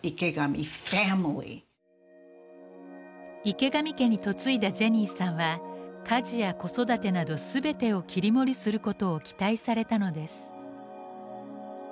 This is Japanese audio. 池上家に嫁いだジェニーさんは家事や子育てなど全てを切り盛りすることを期待されたのです。